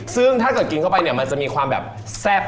ซึ่งถ้าเกิดกินเข้าไปเนี่ยมันจะมีความแบบแซ่บ